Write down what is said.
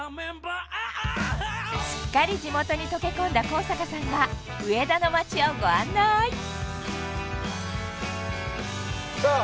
すっかり地元に溶け込んだ高坂さんが上田の町をごあんないさあ